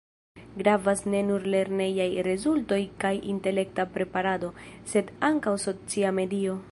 Gravas ne nur lernejaj rezultoj kaj intelekta preparado, sed ankaŭ socia medio.